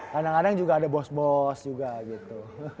kadang kadang juga ada bos bos juga gitu